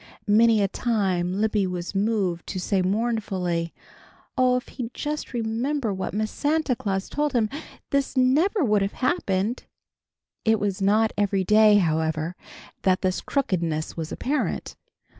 Many a time Libby was moved to say mournfully, "Oh, if he'd just remembered what Miss Santa Claus told him, this never would have happened!" It was not every day, however, that this crookedness was apparent.